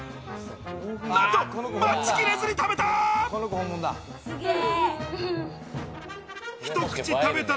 なんと待ちきれずに食べた。